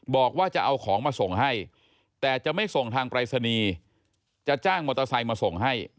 บอกว่าจะเอาของมาส่งให้แต่จะไม่ส่งทางปรายศนีย์จะจ้างมอเตอร์ไซค์มาส่งให้